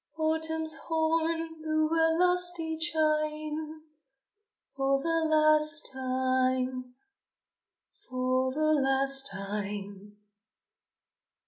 Autumn's horn blew a lusty chime, For the last time, for the last time!